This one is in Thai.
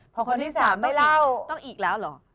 พอคนที่สามไม่เล่าต้องอีกแล้วเหรอ